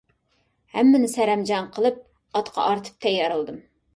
ھەممىنى سەرەمجان قىلىپ، ئاتقا ئارتىپ تەييارلىدىم.